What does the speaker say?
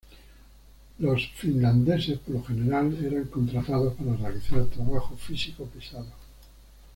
Los finlandeses por lo general eran contratados para realizar trabajo físico pesado.